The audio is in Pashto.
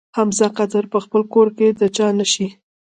حمزه قدر په خپل کور کې د چا نه شي.